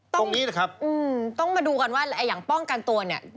ตรงนี้นะครับต้องมาดูกันว่าอย่างป้องกันตัวเนี่ย